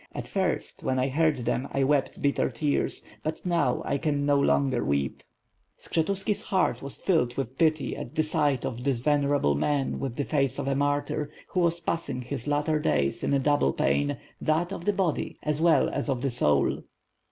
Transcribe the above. At first, when I heard them I wept bitter tears; but now I can no longer weep." Skshetufiki's heart was filled w^ith pity at the sight of this venerable man, with the face of a martyr, who was passing his latter days in a double pain, that of the body as well as the soul.